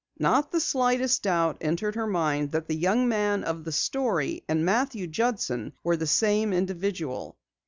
Not the slightest doubt entered her mind that the young man of the story and Matthew Judson were the same individual.